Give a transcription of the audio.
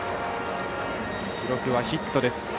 記録はヒットです。